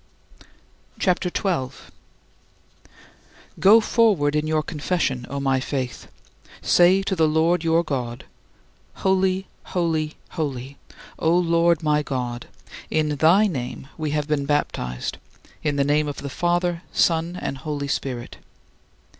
CHAPTER XII 13. Go forward in your confession, O my faith; say to the Lord your God, "Holy, holy, holy, O Lord my God, in thy name we have been baptized, in the name of the Father, Son, and Holy Spirit."